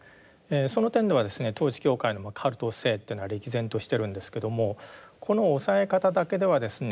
その点ではですね統一教会のカルト性というのは歴然としてるんですけどもこの押さえ方だけではですね